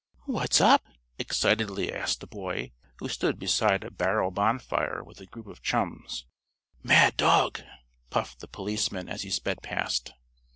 "What's up?" excitedly asked a boy, who stood beside a barrel bonfire with a group of chums. "Mad dog!" puffed the policeman as he sped past.